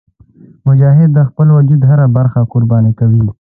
مجاهد د خپل وجود هره برخه قرباني کوي.